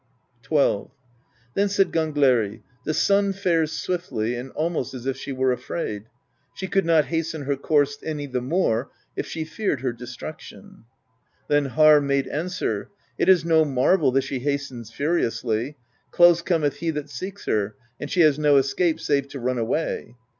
XII. Then said Gangleri: "The sun fares swiftly, and almost as if she were afraid : she could not hasten her course any the more if she feared her destruction." Then Harr made answer: "It is no marvel that she hastens furiously: close Cometh he that seeks her, and she has no escape save to run away."